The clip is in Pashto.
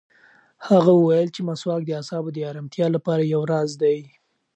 هغه وویل چې مسواک د اعصابو د ارامتیا لپاره یو راز دی.